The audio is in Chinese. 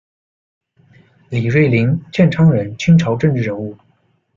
李瑞麟，建昌人，清朝政治人物。